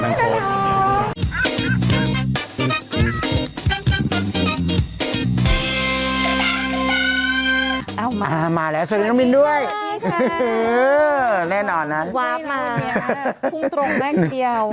แน่นอนน๊ะว๊าบมาแค่นี้นี้แหละคุ้งตรงแว่นเดียว